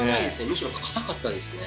むしろ硬かったですね。